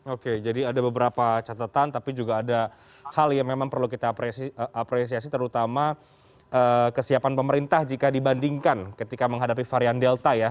oke jadi ada beberapa catatan tapi juga ada hal yang memang perlu kita apresiasi terutama kesiapan pemerintah jika dibandingkan ketika menghadapi varian delta ya